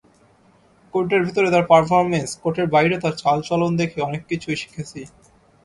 কোর্টের ভেতরে তাঁর পারফরম্যান্স, কোর্টের বাইরে তাঁর চালচলন দেখে অনেক কিছুই শিখেছি।